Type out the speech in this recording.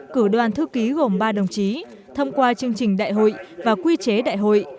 cử đoàn thư ký gồm ba đồng chí thông qua chương trình đại hội và quy chế đại hội